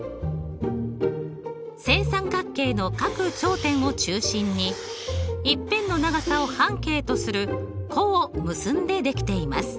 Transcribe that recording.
正三角形の各頂点を中心に１辺の長さを半径とする弧を結んで出来ています。